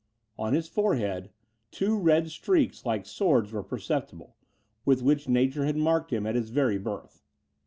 On his forehead, two red streaks, like swords, were perceptible, with which nature had marked him at his very birth.